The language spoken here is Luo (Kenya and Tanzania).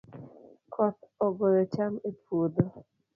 Koth ogoyo cham e puodho